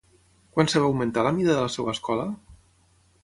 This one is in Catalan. Quan es va augmentar la mida de la seva escola?